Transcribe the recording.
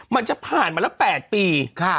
มันจะผ่านมาแล้ว๘ปี